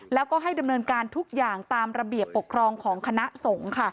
แล้วก็ให้ดำเนินการทุกอย่างตามระเบียบปกครองของคณะสงฆ์ค่ะ